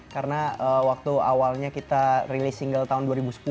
karena waktu awalnya kita release single tahun dua ribu sepuluh